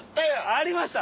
ありました。